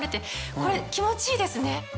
これ気持ちいいですね。